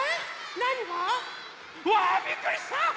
なにが？うわびっくりした！